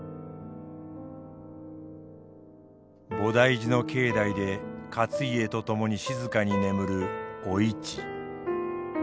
菩提寺の境内で勝家と共に静かに眠るお市。